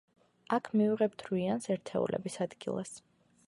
აქ მივიღებთ რვიანს ერთეულების ადგილას.